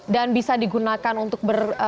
dan bisa digunakan untuk ber